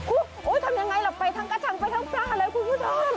โอ้โหทำยังไงล่ะไปทั้งกระชังไปทั้งจ้าเลยคุณผู้ชม